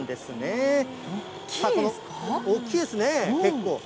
大きいですね、結構。